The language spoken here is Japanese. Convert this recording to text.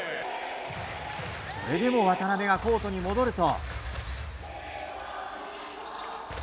それでも渡邊がコートに戻ると。